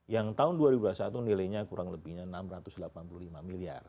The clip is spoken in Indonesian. yang tahun dua ribu dua puluh satu nilainya kurang lebihnya rp enam ratus delapan puluh lima miliar